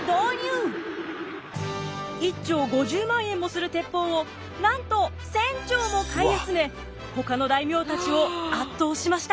１挺５０万円もする鉄砲をなんと１，０００挺も買い集めほかの大名たちを圧倒しました。